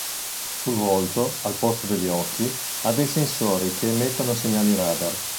Sul volto, al posto degli occhi, ha dei sensori che emettono segnali radar.